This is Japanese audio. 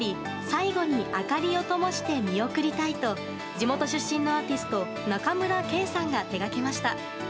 最後に明かりをともして見送りたいと地元出身のアーティスト中村圭さんが手がけました。